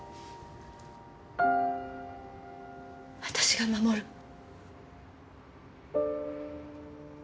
私が守る。